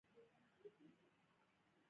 مغرور مه اوسئ